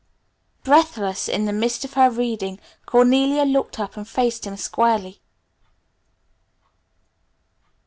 Breathless in the midst of her reading Cornelia looked up and faced him squarely.